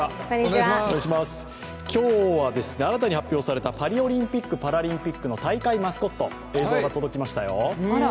今日は新たに発表されたパリオリンピック・パラリンピックの大会マスコット、映像が届きましたよ。